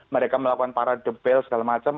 mereka melakukan para debil segala macam